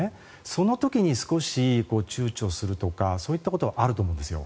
その時に少し、躊躇するとかそういったことはあると思うんでうしょ。